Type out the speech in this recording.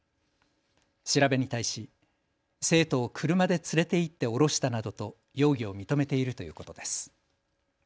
調べに対し、生徒を車で連れて行って降ろしたなどと容疑を認めているということです。